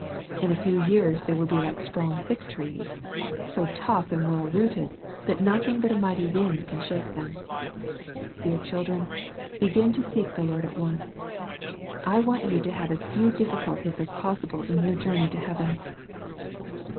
In a few years they will be like strong thick trees, — so tough and well rooted, that nothing but a mighty wind can shake them. Dear children, begin to seek the Lord at once. I want you to have as few difficulties as possible in your journey to heaven.